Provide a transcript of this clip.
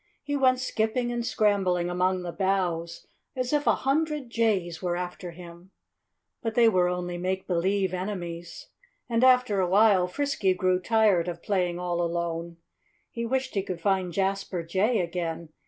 He went skipping and scrambling among the boughs as if a hundred jays were after him. But they were only make believe enemies. And after a while Frisky grew tired of playing all alone. He wished he could find Jasper Jay again.